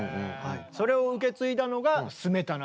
それを受け継いだのがスメタナ。